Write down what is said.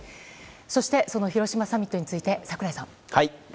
そしてその広島サミットについて櫻井さん。